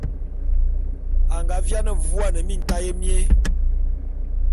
A nga viane vuane mintaé mié.